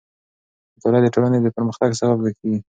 مطالعه د ټولنې د پرمختګ سبب کېږي.